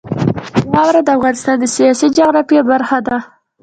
واوره د افغانستان د سیاسي جغرافیه برخه ده.